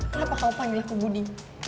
kenapa kamu panggil aku budi